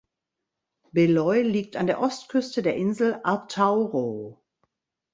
Beloi liegt an der Ostküste der Insel Atauro.